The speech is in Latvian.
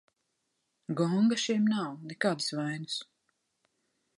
Gonga šiem nav, nekādas vainas.